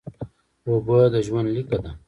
اوبه د ژوند لیکه ده